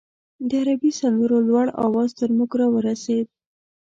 د عربي سندرو لوړ اواز تر موږ راورسېد.